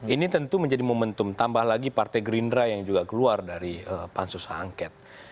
ini tentu menjadi momentum tambah lagi partai gerindra yang juga keluar dari pansus h angket